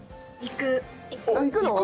行くの？